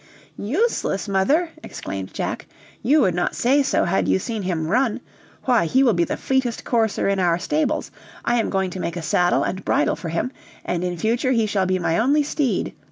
"Useless! mother," exclaimed Jack; "you would not say so had you seen him run; why, he will be the fleetest courser in our stables. I am going to make a saddle and bridle for him, and in future he shall be my only steed.